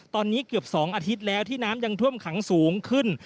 ตอนนี้เกือบ๒อาทิตย์แล้วที่น้ำยังท่วมขังสูงขึ้น